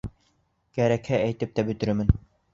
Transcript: Кәрәкһә әйтеп тә бөтөрөрмөн!